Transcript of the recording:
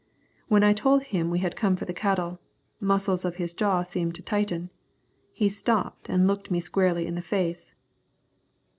When I told him we had come for the cattle, the muscles of his jaw seemed to tighten. He stopped and looked me squarely in the face.